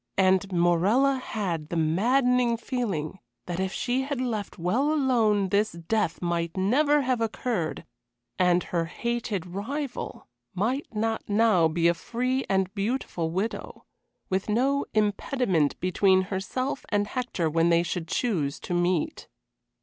And Morella had the maddening feeling that if she had left well alone this death might never have occurred, and her hated rival might not now be a free and beautiful widow, with no impediment between herself and Hector when they should choose to meet.